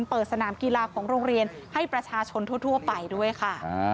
เปิดสนามกีฬาของโรงเรียนให้ประชาชนทั่วไปด้วยค่ะ